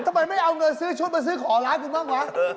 ทำไมไม่เอาเงินซื้อชุดมาซื้อของร้านคุณบ้างวะ